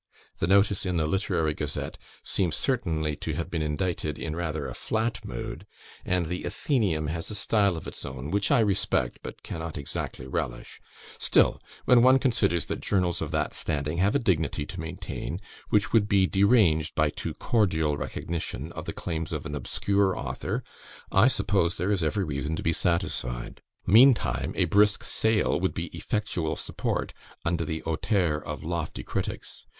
The notice in the Literary Gazette seems certainly to have been indited in rather a flat mood, and the Athenaeum has a style of its own, which I respect, but cannot exactly relish; still when one considers that journals of that standing have a dignity to maintain which would be deranged by a too cordial recognition of the claims of an obscure author, I suppose there is every reason to be satisfied. "Meantime a brisk sale would be effectual support under the hauteur of lofty critics.